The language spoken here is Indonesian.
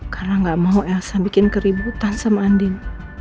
karena gak mau elsa bikin keributan sama andin